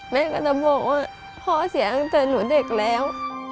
แม่ก็จะบอกว่าพ่อเสียตั้งแต่หนูเด็กแล้ว